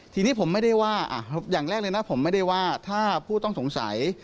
ทีนี้ผมไม่ได้ว่าอย่างแรกเลยนะผมไม่ได้ว่าถ้าผู้ต้องสงสัย